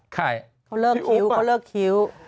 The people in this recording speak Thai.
ใครที่อุ๊ปเปิดเขาเลิกคิ้วเขาเลิกคิ้ว